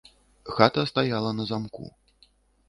Хата стаяла на замку.